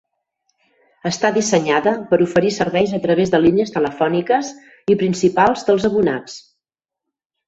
Està dissenyada per oferir serveis a través de línies telefòniques i principals dels abonats.